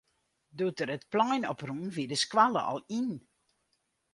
Doe't er it plein op rûn, wie de skoalle al yn.